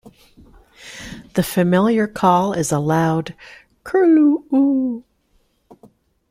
The familiar call is a loud "curloo-oo".